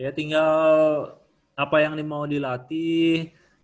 ya tinggal apa yang mau dilatih